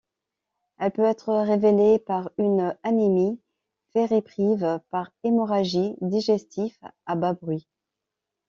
Elle peut être révélée par une anémie ferriprive, par hémorragie digestive à bas bruit.